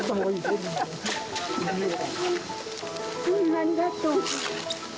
ありがとう。